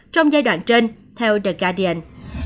trong giai đoạn trên theo the guardian